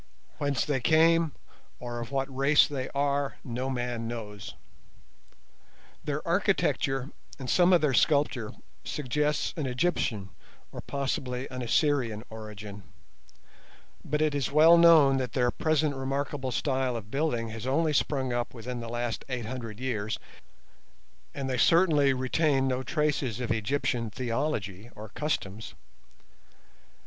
Whence they came or of what race they are no man knows. Their architecture and some of their sculptures suggest an Egyptian or possibly an Assyrian origin; but it is well known that their present remarkable style of building has only sprung up within the last eight hundred years, and they certainly retain no traces of Egyptian theology or customs.